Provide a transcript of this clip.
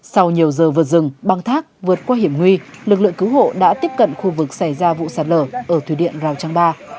sau nhiều giờ vượt rừng băng thác vượt qua hiểm huy lực lượng cứu hộ đã tiếp cận khu vực xảy ra vụ sạt lở ở thủy điện rào trang ba